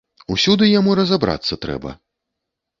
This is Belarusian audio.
Усюды яму разабрацца трэба.